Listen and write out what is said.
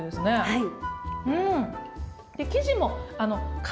はい。